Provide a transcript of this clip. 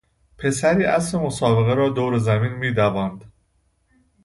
پسری اسب مسابقه را دور زمین میدواند.